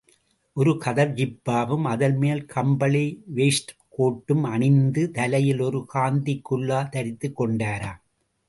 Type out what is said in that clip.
ஒரு கதர் ஜிப்பாவும், அதன்மேல் கம்பளி வெயிஸ்ட் கோட்டும் அணிந்து தலையில் ஒரு காந்திக் குல்லா தரித்துக் கொண்டாராம்.